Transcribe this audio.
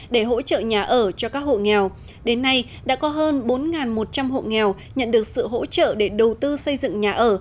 để hỗ trợ nhà ở cho các hộ nghèo đến nay đã có hơn bốn một trăm linh hộ nghèo nhận được sự hỗ trợ để đầu tư xây dựng nhà ở